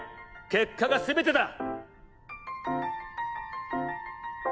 結果が全てだ！